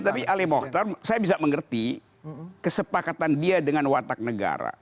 tapi ali mokhtar saya bisa mengerti kesepakatan dia dengan watak negara